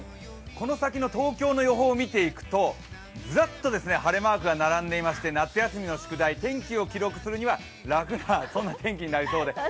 この先の東京の予報を見ていくとずらっと晴れマークが並んでいまして夏休みの宿題、天気を記録するには楽な天気となりそうです。